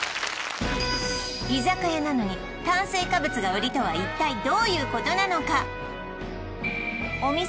居酒屋なのに炭水化物が売りとは一体どういうことなのか？